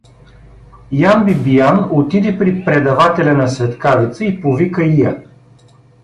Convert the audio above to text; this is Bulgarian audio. Ян Бибиян отиде при предавателя на „Светкавица“ и повика Иа.